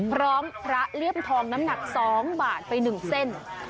พระเลี่ยมทองน้ำหนัก๒บาทไป๑เส้น